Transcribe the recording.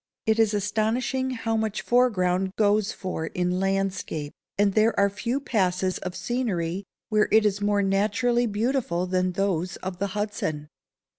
It is astonishing how much foreground goes for in landscape; and there are few passes of scenery where it is more naturally beautiful than those of the Hudson.